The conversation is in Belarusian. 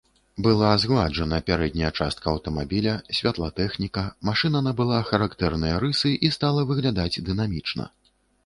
Была згладжана пярэдняя частка аўтамабіля, святлатэхніка, машына набыла характэрныя рысы і стала выглядаць дынамічна.